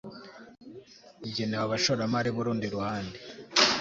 igenewe abashoramari b urundi ruhande